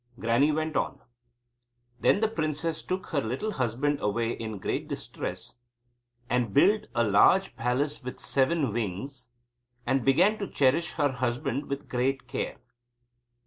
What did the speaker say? Grannie went on: Then the princess took her little husband away in great distress, and built a large palace with seven wings, and began to cherish her husband with great care.